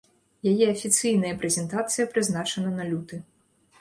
Яе афіцыйная прэзентацыя прызначана на люты.